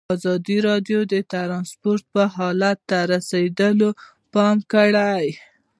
ازادي راډیو د ترانسپورټ حالت ته رسېدلي پام کړی.